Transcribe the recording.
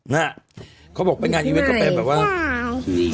น่ะเขาบอกไปงานยืนเว้นก็แบบแบบว่าหยีกพี่ใหม่ด้วย